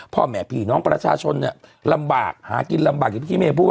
พ่อแม่พี่น้องประชาชนเนี่ยลำบากหากินลำบากอย่างที่เมย์พูด